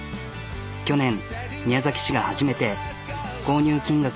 去年宮崎市が初めて購入金額